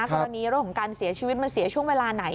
กรณีเรื่องของการเสียชีวิตมันเสียช่วงเวลาไหน